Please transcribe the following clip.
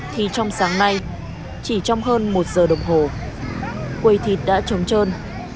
thì trong sáng nay chỉ trong hơn một giờ đồng hồ quầy thịt đã trống trơn